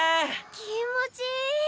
気持ちいい！